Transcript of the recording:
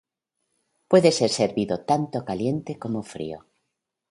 Puede ser servido tanto caliente como frío.